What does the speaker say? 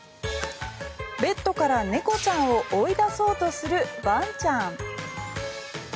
ベッドから猫ちゃんを追い出そうとするワンちゃん。